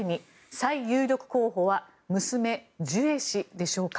最有力候補は娘・ジュエ氏でしょうか。